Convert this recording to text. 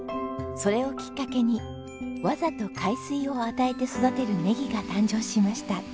それをきっかけにわざと海水を与えて育てるネギが誕生しました。